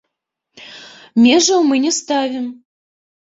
Межаў мы не ставім.